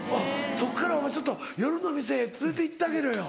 そっからお前ちょっと夜の店連れて行ってあげろよ。